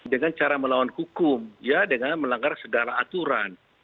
dengan cara melawan hukum ya dengan melanggar segala aturan